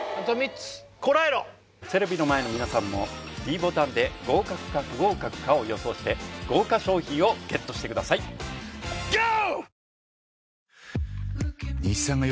こらえろテレビの前の皆さんもｄボタンで合格か不合格かを予想して豪華賞品をＧＥＴしてくださいゴー！